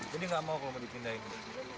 jadi nggak mau kalau mau dipindahin